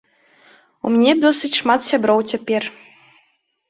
У мяне досыць шмат сяброў цяпер.